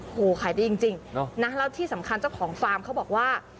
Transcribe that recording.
โอ้โหขายดีจริงนะแล้วที่สำคัญเจ้าของฟาร์มเขาบอกว่า